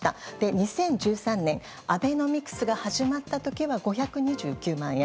２０１３年アベノミクスが始まった時は５２９万円。